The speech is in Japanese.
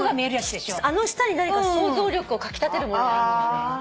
あの下に何か想像力をかき立てるものがある。